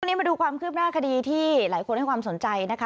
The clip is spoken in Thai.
วันนี้มาดูความคืบหน้าคดีที่หลายคนให้ความสนใจนะคะ